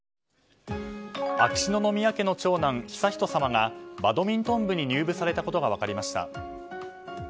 秋篠宮家の長男・悠仁さまがバドミントン部に入部されたことが分かりました。